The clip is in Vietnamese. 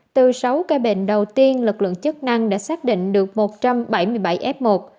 từ sáu ca bệnh đầu tiên lực lượng chức năng đã xác định được một trăm bảy mươi bảy f một